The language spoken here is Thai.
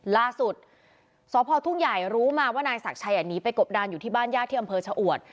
ล่าสุดสพทุ่งใหญ่รู้มาว่านายศักดิ์ชัยหนีไปกบดานอยู่ที่บ้านญาติที่อำเภอชะอวด